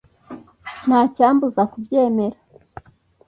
Nta cyambuza kubyemera